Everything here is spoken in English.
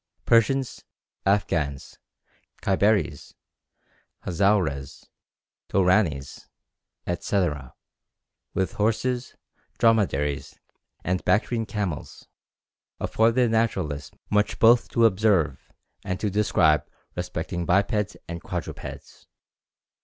Persians, Afghans, Kyberis, Hazaurehs, Douranis, &c., with horses, dromedaries, and Bactrian camels, afford the naturalist much both to observe and to describe respecting bipeds and quadrupeds.